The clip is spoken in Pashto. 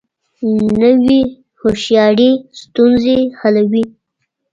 نوې هوښیاري ستونزې حلوي